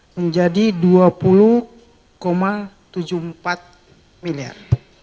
menjadi dua puluh tujuh puluh empat miliar